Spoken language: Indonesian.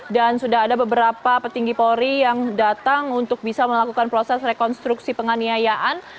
dan sudah ada beberapa petinggi polri yang datang untuk bisa melakukan proses rekonstruksi penganiayaan